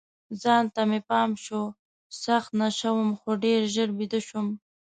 ځان ته مې پام شو، سخت نشه وم، خو ډېر ژر بیده شوم.